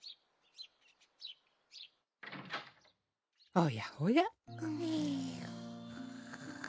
おやおや。